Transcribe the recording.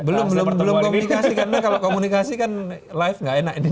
belum belum komunikasi karena kalau komunikasi kan live gak enak ini